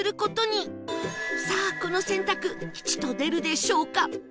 さあこの選択吉と出るでしょうか？